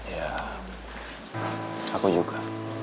ya aku juga